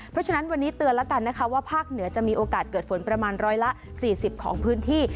เพราะฉะนั้นวันนี้เตือนแล้วกันนะคะว่าภาคเหนือจะมีโอกาสเกิดฝนประมาณร้อยละ๔๐ของพื้นที่